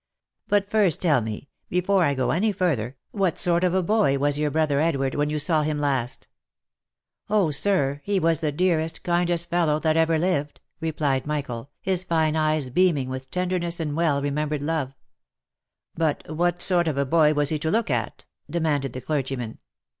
But first tell me, be y2 324 THE LIFE AND ADVENTURES fore I go any further, what sort of a boy was your brother Edward when you saw him last V " Oh, sir ! he was the dearest, kindest fellow that ever lived !" re plied Michael, his fine eyes beaming with tenderness and well remem bered love. " But what sort of a boy was he to look at V demanded the clergyman.